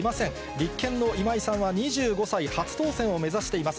立憲の今井さんは２５歳、初当選を目指しています。